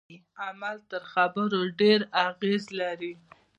عمل تر خبرو ډیر اغیز لري.